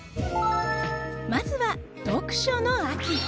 まずは、読書の秋。